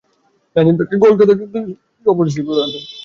নাজিম তাঁকে কলকাতা সফর শেষে পাশের দেশ বাংলাদেশেও যেতে অনুরোধ করে।